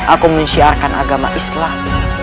aku menyiarkan agama islam